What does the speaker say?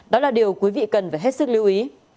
đó là điều quý vị cần phải hết sức lưu ý